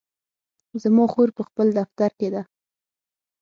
زما خور په خپل دفتر کې ده